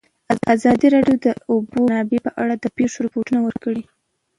ازادي راډیو د د اوبو منابع په اړه د پېښو رپوټونه ورکړي.